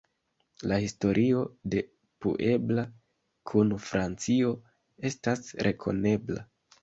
La historio de Puebla kun Francio estas rekonebla.